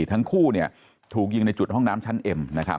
ทั้งคู่ถูกยิงในจุดห้องน้ำชั้นเอ็ม